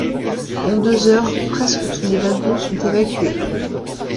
En deux heures, presque tous les wagons sont évacués.